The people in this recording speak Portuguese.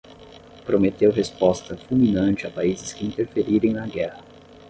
prometeu resposta fulminante a países que interferirem na guerra